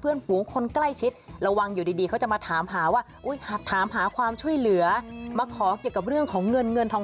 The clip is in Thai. เพื่อนฝูงคนใกล้ชิดระวังอยู่ดีเขาจะมาถามหาว่าถามหาความช่วยเหลือมาขอเกี่ยวกับเรื่องของเงินเงินทอง